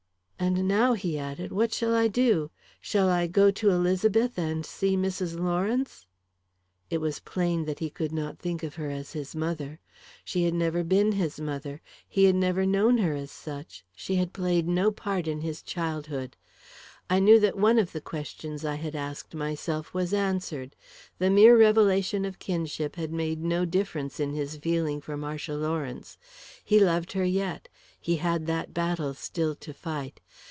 And now," he added, "what shall I do? Shall I go to Elizabeth and see Mrs. Lawrence " It was plain that he could not think of her as his mother. She had never been his mother. He had never known her as such; she had played no part in his childhood. I knew that one of the questions I had asked myself was answered: the mere revelation of kinship had made no difference in his feeling for Marcia Lawrence. He loved her yet; he had that battle still to fight.